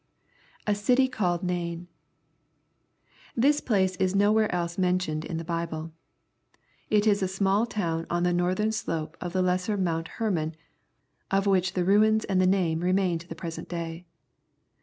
{A city called Nain!\ This place is nowhere else mentioned in the Bible. It is a small town on the northern slope of the lesser Mount Hermon, of which the ruins and the name remain to the present day.